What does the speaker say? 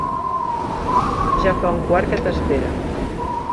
Ja fa un quart que t'espera.